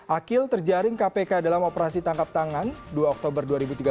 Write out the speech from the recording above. akil terjaring kpk dalam operasi tangkap tangan dua oktober dua ribu tiga belas